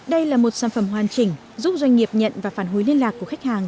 đây là một sản phẩm hoàn chỉnh giúp doanh nghiệp nhận và phản hối liên lạc của khách hàng